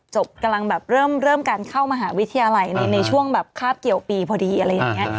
กำลังแบบเริ่มการเข้ามหาวิทยาลัยในช่วงแบบคาบเกี่ยวปีพอดีอะไรอย่างนี้